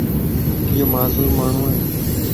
ايو معذور ماڻھو ائي.